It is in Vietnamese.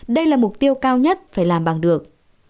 đây là mục tiêu cao nhất phải làm bằng được